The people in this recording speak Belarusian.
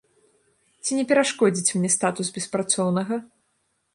Ці не перашкодзіць мне статус беспрацоўнага?